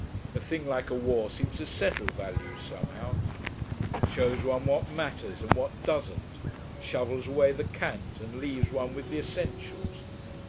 A thing like a war seems to settle values, somehow shows one what matters and what doesn't; shovels away the cant and leaves one with the essentials....'